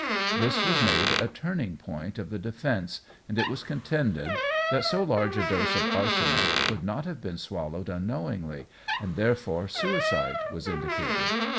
This was made a turning point of the defence, and it was contended that so large a dose of arsenic could not have been swallowed unknowingly, and, therefore, suicide was indicated.